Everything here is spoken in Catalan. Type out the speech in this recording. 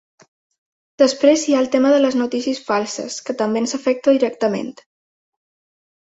Després hi ha el tema de les notícies falses, que també ens afecta directament.